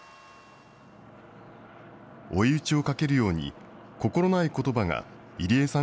追い打ちをかけるように、心ないことばが入江さん